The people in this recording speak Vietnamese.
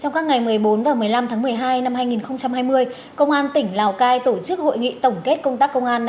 trong các ngày một mươi bốn và một mươi năm tháng một mươi hai năm hai nghìn hai mươi công an tỉnh lào cai tổ chức hội nghị tổng kết công tác công an